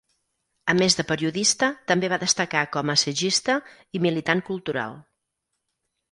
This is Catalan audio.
A més de periodista, també va destacar com a assagista i militant cultural.